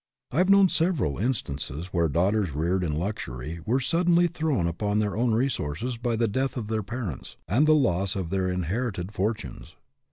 I have known of several instances where daughters reared in luxury were suddenly thrown upon their own resources by the death of their parents and the loss of their inherited fortunes.